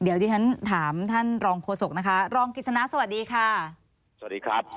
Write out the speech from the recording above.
เดี๋ยวที่ฉันถามท่านรองโฆษกนะคะรองกิจสนาสวัสดีค่ะสวัสดีครับ